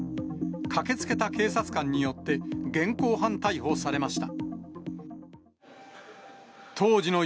駆けつけた警察官によって、現行犯逮捕されました。